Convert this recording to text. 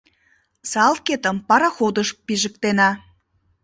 — Салкетым пароходыш пижыктена.